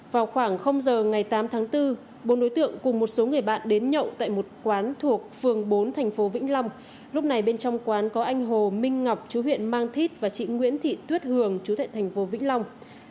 vào khoảng giờ ngày tám tháng bốn bốn đối tượng cùng một số người bạn đến nhậu tại một quán thuộc phường bốn thành phố vĩnh long lúc này bên trong quán có anh hồ minh ngọc chú huyện mang thít và chị nguyễn thị tuyết hường chú tại thành phố vĩnh long